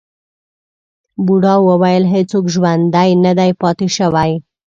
بوډا وویل هیڅوک ژوندی نه دی پاتې شوی.